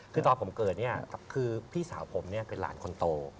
คือตอนผมเกิดเนี่ยคือพี่สาวผมเนี่ยเป็นหลานคนโต